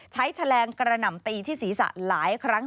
แฉลงกระหน่ำตีที่ศีรษะหลายครั้ง